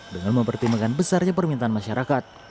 dengan mempertimbangkan besarnya permintaan masyarakat